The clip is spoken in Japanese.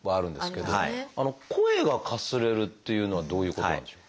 あの「声がかすれる」っていうのはどういうことなんでしょう？